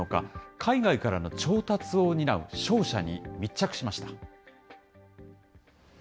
海外からの調達を担う商社に密着しました。